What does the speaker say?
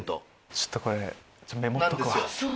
ちょっとこれメモっとくわ。